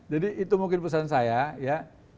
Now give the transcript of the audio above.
jadi itu mungkin perusahaan saya ya